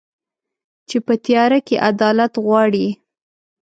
چي په تیاره کي عدالت غواړي